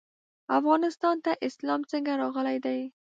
افغانستان ته اسلام څنګه راغلی دی؟